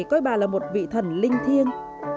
coi bà là một vị thần linh thiêng